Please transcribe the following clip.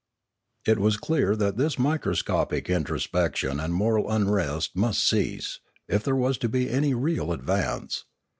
It was clear that this microscopic introspection and moral unrest must cease, if there was to be any real advance.